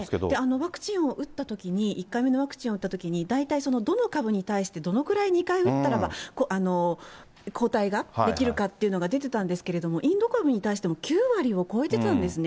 ワクチンを打ったときに、１回目のワクチンを打ったときに大体その、どの株に対してどのぐらい２回打ったらば抗体が出来るかっていうのが出てたんですけれども、インド株に対しても、９割を超えてたんですね。